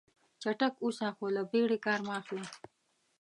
چټک اوسه خو له بیړې کار مه اخله.